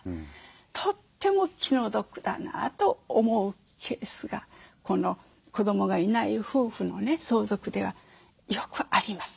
とっても気の毒だなと思うケースがこの子どもがいない夫婦の相続ではよくあります。